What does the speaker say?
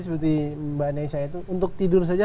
seperti mbak nesya itu untuk tidur saja